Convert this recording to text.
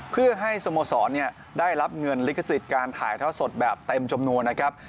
เพื่อให้สโมสรได้รับเงินลิขสิทธิ์การถ่ายท่อสดแบบเต็มจำนวนนะครับ